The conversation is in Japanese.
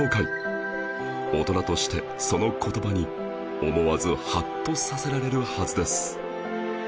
大人としてその言葉に思わずハッとさせられるはずです